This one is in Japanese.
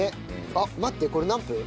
あっ待ってこれ何分？